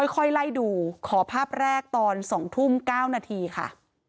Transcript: ค่อยไล่ดูขอภาพแรกตอน๒ทุ่ม๙นาทีค่ะ